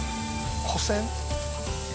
古銭？